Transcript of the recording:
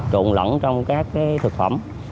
trộn lẫn trong các thực phẩm